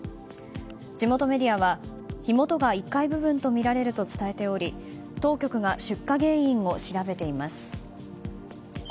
地元メディアは火元は１階部分とみられると伝えており当局が出火原因を調べています。